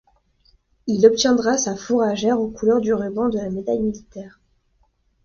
Il y obtiendra sa fourragère aux couleurs du ruban de la médaille militaire.